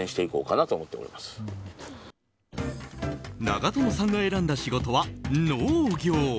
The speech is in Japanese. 長友さんが選んだ仕事は農業。